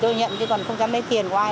tôi nhận chứ còn không dám lấy tiền của ai